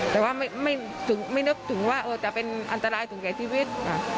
แต่ว่าไม่นึกถึงว่าจะเป็นอันตรายถึงแก่ชีวิต